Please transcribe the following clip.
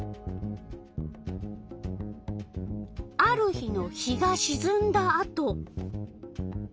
ある日の日がしずんだあと。